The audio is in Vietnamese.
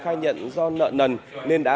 khai nhận do nợ nần nên đã